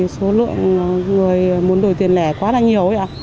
số lượng người muốn đổi tiền lẻ quá là nhiều vậy ạ